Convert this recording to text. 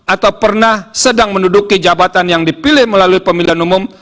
atau pernah sedang menduduki jabatan yang dipilih melalui pemilihan umum